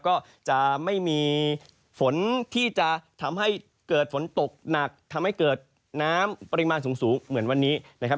ก็จะไม่มีฝนที่จะทำให้เกิดฝนตกหนักทำให้เกิดน้ำปริมาณสูงเหมือนวันนี้นะครับ